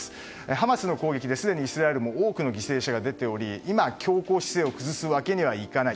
ハマスの攻撃ですでにイスラエルも多くの犠牲者が出ており今、強硬姿勢を崩すわけにはいかない。